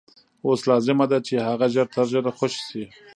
اوس لازمه ده چې هغه ژر تر ژره خوشي شي.